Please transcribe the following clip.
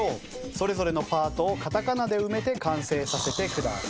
それぞれのパートをカタカナで埋めて完成させてください。